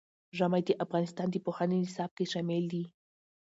ژمی د افغانستان د پوهنې نصاب کې شامل دي.